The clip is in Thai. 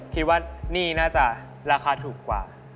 คิดว่านี่น่าจะราคาถูกกว่า